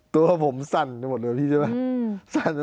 ตัวผมสั่นไปหมดเลยพี่ใช่ไหม